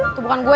itu bukan gue